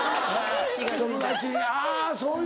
友達にあそういう。